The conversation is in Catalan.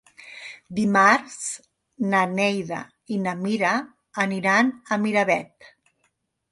Dimarts na Neida i na Mira aniran a Miravet.